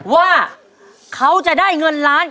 ว่าเขาจะได้เงินล้าน